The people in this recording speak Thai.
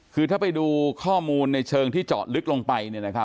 คือถ้าไปดูข้อมูลในเชิงที่เจาะลึกลงไป